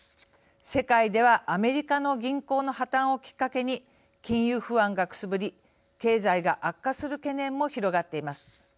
世界では、アメリカの銀行の破綻をきっかけに金融不安がくすぶり経済が悪化する懸念も広がっています。